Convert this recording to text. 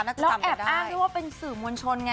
แล้วแอบอ้างด้วยว่าเป็นสื่อมวลชนไง